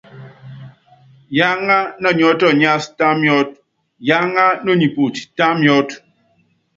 Yaáŋa nɔ niɔ́tɔ niasɔ́, tá miɔ́t, yaáŋa no nipoti, tá miɔ́t.